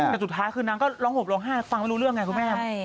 แต่สุดท้ายคือนางก็ร้องห่มร้องไห้ฟังไม่รู้เรื่องไงคุณแม่